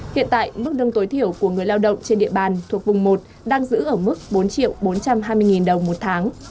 hiện tại mức lương tối thiểu của người lao động trên địa bàn thuộc vùng một đang giữ ở mức bốn bốn trăm hai mươi đồng một tháng